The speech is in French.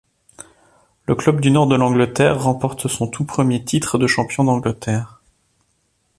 Le club du nord de l’Angleterre remporte son tout premier titre de champion d’Angleterre.